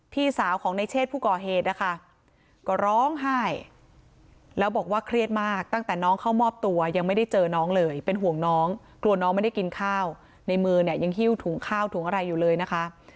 พี่สาวของในเชศผู้ก่อเหตุนะคะก็ร้องไห้แล้วบอกว่าเครียดมากตั้งแต่น้องเข้ามอบตัวยังไม่ได้เจอน้องเลยเป็นห่วงน้องกลัวน้องไม่ได้กินข้าวในมือเนี่ยยังหิ้วถุงข้าวถุงอะไรอยู่เลยนะคะ